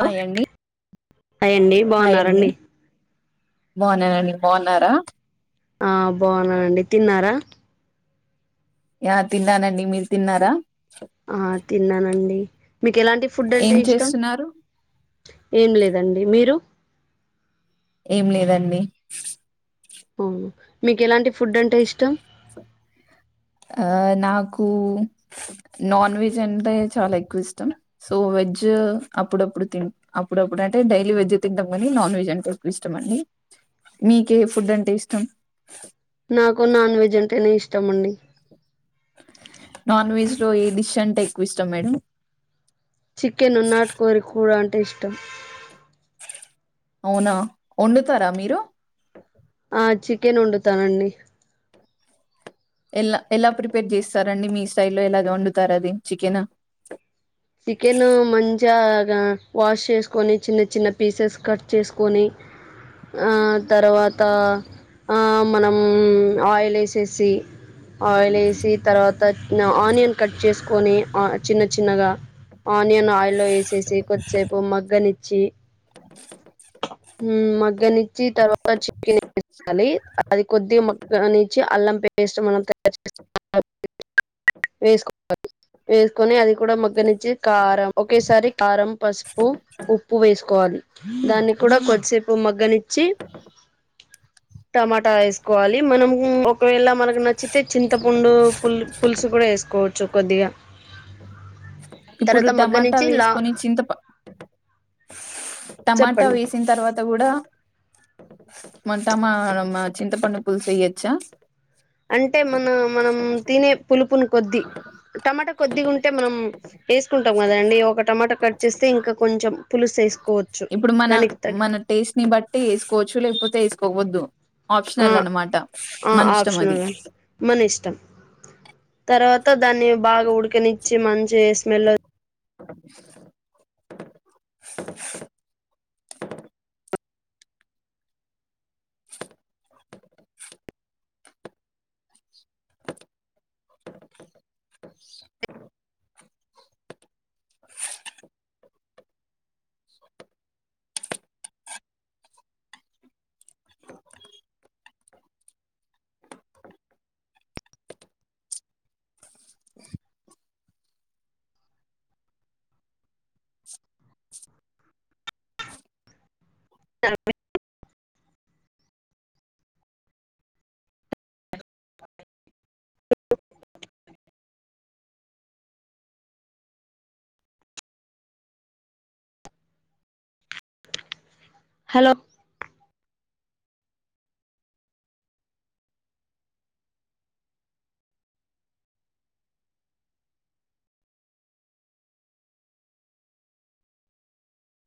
hello hi అండి hi అండి hi అండి బాగున్నారండి బాగున్నానండి మీరు బాగున్నారా ఆ బాగున్నానండి తిన్నారా యా తిన్నానండి మీరు తిన్నారా ఆ తిన్నానండి మీకు ఎలాంటి ఫుడ్ అంటే ఏం ఇష్టం చేస్తున్నారు ఏం లేదండి మీరు ఏం లేదండి మీకు ఎలాంటి ఫుడ్ అంటే ఇష్టం నాకు నాన్ వెజ్ అంటే చాలా ఎక్కువ ఇష్టం సో వెజ్ అప్పుడప్పుడుి అప్పుడప్పుడు అంటే డైలీ వెజ్ తింటాం కానీ నాన్ వెజ్ అంటే ఎక్కువ ఇష్టం అండి మీకే ఫుడ్ అంటే ఇష్టం నాకు నాన్ వెజ్ అంటేనే ఇష్టం ఇష్టమండి నాన్ వెజ్ లో ఏ డిష్ అంటే ఎక్కువ ఇష్టం మేడం చికెన్ ఉ నాటుకోవరి కూ కూడాడ ఉంటు అంటే ఇష్టం అవునా వండుతారా మీరు ఆ చికెన్ వండుతానండి ఎలా ఎలా ప్రిపేర్ చేస్తారండి మీ స్టైల్లో ఎలాగా వండుతారు అది చికెన్ చికెన్ మంచిగా వాష్ చేసుకొని చిన్న చిన్న పీసెస్ కట్ చేసుకొని తర్వాత మనం ఆయిల్ వేసేసి ఆయిల్ వేసి తర్వాత ఆనియన్ కట్ చేసుకొని చిన్న చిన్నగా ఆనియన్ ఆయిల్లో వేసేసి కొద్దిసేపు మగ్గనిచ్చి మగ్గనిచ్చి తర్వాత చికెన్ వేాలి అది కొద్దిగా మగ్గనిచ్చి అల్లం పేస్ట్ మనం తయారు చే వేసుకోవాలి వేసుకొని అది కూడా మగ్గనిచ్చి కారం ఒకేసారి కారం పసుపు ఉప్పు వేసుకోవాలి దాన్ని కూడా కొద్దిసేపు మగ్గనిచ్చి టమాటా వేసుకోవాలి మనం ఒకవేళ మనకు నచ్చితే చింతపండు పుల్ పులుసు కూడా వేసుకోవచ్చు కొద్దిగా ఇప్పుడు తర్వాత టమాటా మగ్గనించి లా వేసుకని చింతప టమాటా చెప్పండి వేసిన తర్వాత కూడా మంటమామ చింత పన్నపుల్ చేయచ్చా అంటే మన మనం తినే పులుపుని కొద్దిీ టమాటా కొద్దిీగా ఉంటే మనం వేసుకుంటాం కదండి ఒక టమాటా కట్ చేస్తే ఇంకా కొంచెం పులుసు వేసుకోవచ్చు ఇప్పుడు మన దానికి తగ్గ మన టేస్ట్ ని బట్టి వేసుకోవచ్చు లేకపోతే వేసుకోవద్దు ఆ ఆప్షనల్ అన్నమాట ఆ మన ఇష్టం అది ఆప్షనల్ అండి మన ఇష్టం తర్వాత దాన్ని బాగా ఉడికనిచ్చి మంచి స్మెల్ హలో